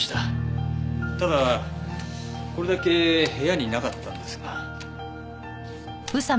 ただこれだけ部屋になかったんですが。